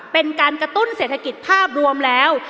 เป็นการกระตุ้นเศรษฐกิจภาพรวมแล้ว